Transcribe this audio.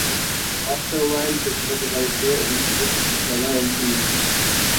Oscar Wilde ব্যক্তিগত বাড়িতে অনুষ্ঠিত কিছু সভায় অংশ নিয়েছিলেন।